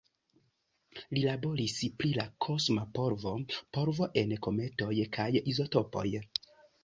Li laboris pri la kosma polvo, polvo en kometoj kaj izotopoj.